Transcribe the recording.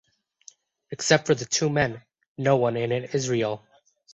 Except for the two men, no one in it is real.